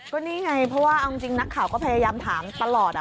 ก็นี่ไงเพราะว่าเอาจริงนักข่าวก็พยายามถามตลอด